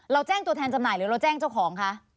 แจ้งตัวแทนจำหน่ายหรือเราแจ้งเจ้าของคะ